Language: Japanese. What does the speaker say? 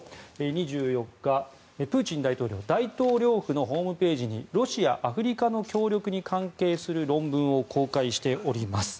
２４日、プーチン大統領大統領府のホームページにロシア・アフリカの協力に関係する論文を公開しております。